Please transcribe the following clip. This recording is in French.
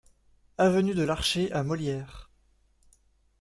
Avenue de Larché à Molières